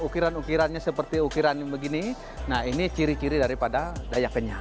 ukiran ukirannya seperti ukiran begini nah ini ciri kiri daripada dayak kenya